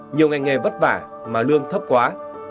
nhiều ngành nghề vất vả mà lương thấp quá